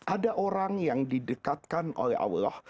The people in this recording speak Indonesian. ada orang yang didekatkan oleh allah